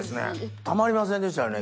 たまりませんでしたよね